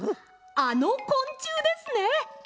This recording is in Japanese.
あのこんちゅうですね！